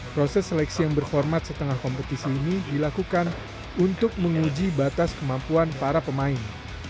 proses seleksi yang berformat setengah kompetisi ini dilakukan untuk menguji batas kemampuan para pemain